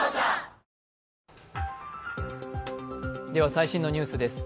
最新のニュースです。